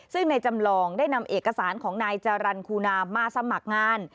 ซึ่งในจำลองได้นำเอกสารของนายจารันคูนามาสมัครงาน